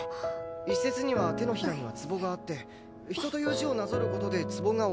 一説には手のひらにはツボがあって「人」という字をなぞる事でツボが押されて。